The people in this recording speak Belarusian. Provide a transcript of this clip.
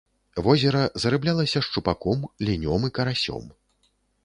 Возера зарыблялася шчупаком, лінём і карасём.